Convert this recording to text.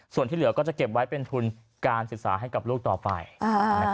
ส่วนที่เหลือก็จะเก็บไว้เป็นทุนการศึกษาให้กับลูกต่อไป